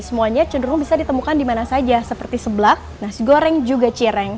semuanya cenderung bisa ditemukan di mana saja seperti seblak nasi goreng juga cireng